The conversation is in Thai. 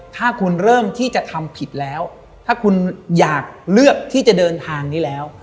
ถ้าคุณเริ่มที่จะทำผิดแล้วถ้าคุณอยากเลือกที่จะเดินทางนี้แล้ว